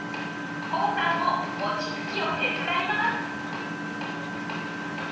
コウさんももちつきを手伝います。